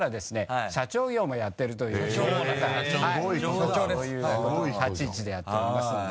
そういう立ち位置でやっておりますので。